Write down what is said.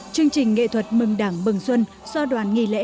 chương trình nghệ thuật mừng đảng mừng xuân do đoàn nghi lễ